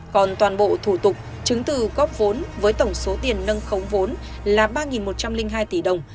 còn toàn bộ thủ tục chứng từ góp vốn với tổng số tiền nâng khống vốn là ba một trăm linh hai tỷ đồng